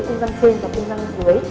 cung răng trên và cung răng dưới